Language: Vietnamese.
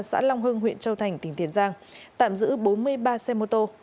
xã long hưng huyện châu thành tỉnh tiền giang tạm giữ bốn mươi ba xe mô tô